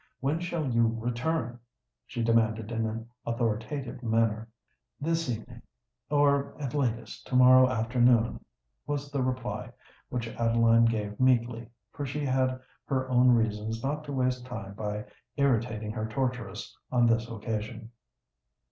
When shall you return?" she demanded in an authoritative manner. "This evening—or at latest to morrow afternoon," was the reply, which Adeline gave meekly—for she had her own reasons not to waste time by irritating her torturess on this occasion.